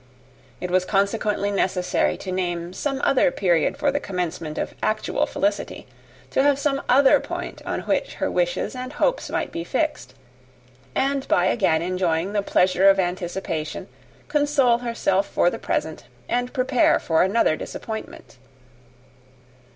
It was consequently necessary to name some other period for the commencement of actual felicity; to have some other point on which her wishes and hopes might be fixed, and by again enjoying the pleasure of anticipation, console herself for the present, and prepare for another disappointment.